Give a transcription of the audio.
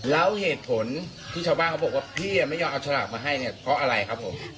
แล้วเหตุผลที่ชาวบ้านเขาบอกว่าพี่ไม่ยอมเอาฉลากมาให้เนี่ยเพราะอะไรครับผม